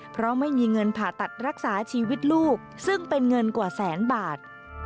เพราะไม่มีเงินผ่าตัดรักษาชีวิตลูกซึ่งเป็นเงินกว่าแสนบาท